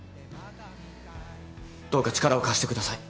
どうか力を貸してください。